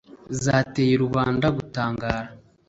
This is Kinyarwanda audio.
zateye rubanda gutangara.